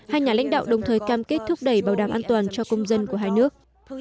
hai nhà lãnh đạo đồng thời cam kết thúc đẩy bảo đảm an toàn cho công dân của hai nước